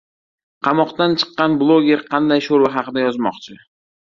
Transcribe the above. Qamoqdan chiqqan bloger... qanday sho‘rva haqida yozmoqchi?!